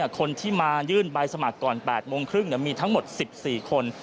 คนที่มายื่นใบสมัครก่อน๘โมงครึ่งมีทั้งหมด๑๔คน